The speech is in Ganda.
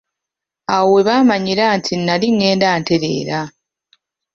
Awo we baamanyira nti nnali ngenda ntereera.